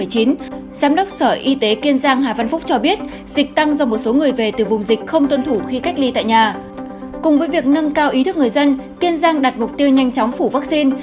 cùng với việc nâng cao ý thức người dân kiên giang đặt mục tiêu nhanh chóng phủ vaccine